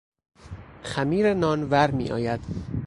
خمیر نان ورمیآید.